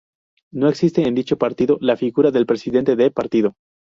No existe en dicho partido, la figura del Presidente de Partido.